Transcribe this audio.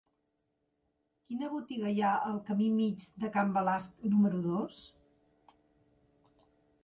Quina botiga hi ha al camí Mig de Can Balasc número dos?